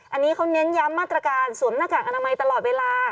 อันนี้เขาเน้นย้ำมาตรการสวมหน้ากากอนามัยตลอดเวลา